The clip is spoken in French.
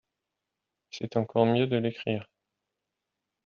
C’est encore mieux de l’écrire